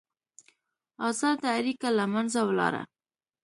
ازاده اړیکه له منځه ولاړه.